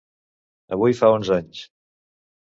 Avui fa onze anys.